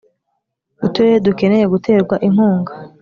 uturere dukeneye guterwa inkunga